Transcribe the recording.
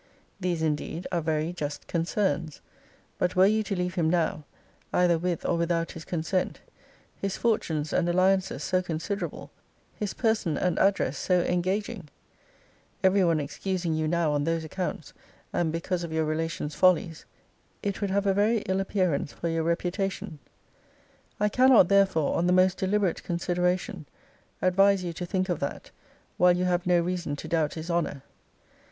These indeed are very just concerns: but were you to leave him now, either with or without his consent, his fortunes and alliances so considerable, his person and address so engaging, (every one excusing you now on those accounts, and because of your relations' follies,) it would have a very ill appearance for your reputation. I cannot, therefore, on the most deliberate consideration, advise you to think of that, while you have no reason to doubt his honour.